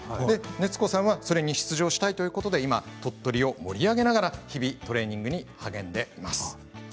熱子さんはそれに出場したいということで鳥取を盛り上げながら日々トレーニングに励んでいます。